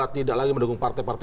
tidak lagi mendukung partai partai